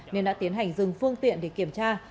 nên đã tiến hành dừng phương tiện để kiểm tra